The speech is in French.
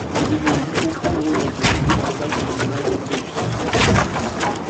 Il évolue au plus haut niveau du handball féminin norvégien.